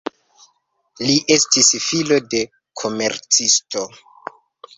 Li estis filo de komercisto.